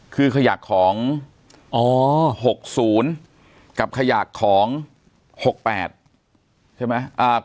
คือขยักของ๖๐กับขยักของ๖๘ใช่ไหม